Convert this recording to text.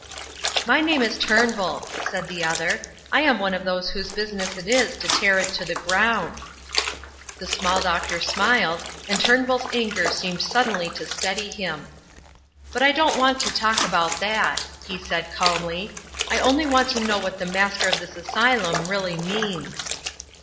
"My name is Turnbull," said the other; "I am one of those whose business it is to tear it to the ground." The small doctor smiled, and Turnbull's anger seemed suddenly to steady him. "But I don't want to talk about that," he said, calmly; "I only want to know what the Master of this asylum really means."